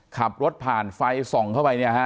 ขับรถผ่านไฟส่องเข้าไป